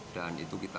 dan itu kita